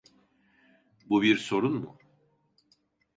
Bu bir sorun mu?